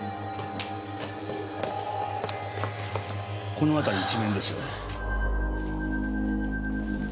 この辺り一面です。